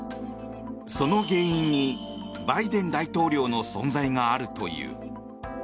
その原因にバイデン大統領の存在があるという。